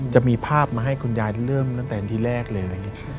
จะมีภาพมาให้คุณยายเริ่มตั้งแต่ที่แรกเลย